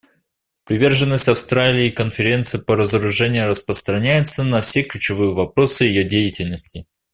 Приверженность Австралии Конференции по разоружению распространяется на все ключевые вопросы ее деятельности.